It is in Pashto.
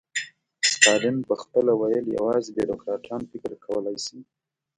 ستالین به خپله ویل یوازې بیروکراټان فکر کولای شي.